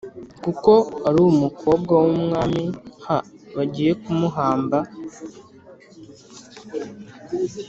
kuko ari umukobwa w umwami h Bagiye kumuhamba